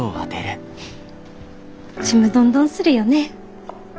ちむどんどんするよね。